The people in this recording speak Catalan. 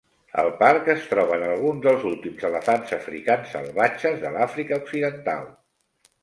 El parc es troben alguns dels últims elefants africans salvatges de l'Àfrica occidental.